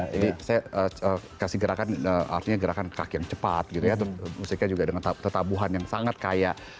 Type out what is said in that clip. jadi saya kasih gerakan artinya gerakan kaki yang cepat gitu ya terus musiknya juga dengan tertabuhan yang sangat kaya